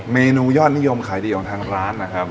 เมนูยอดนิยมขายดีของทางร้านนะครับ